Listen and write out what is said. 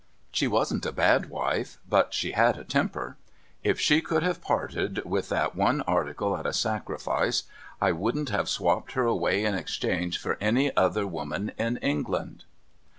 She wasn't a bad wife, but she had a temper. If she could have parted with that one article at a sacrifice, I wouldn't have swopped her away in exchange for any other woman in England.